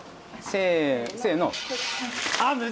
せの。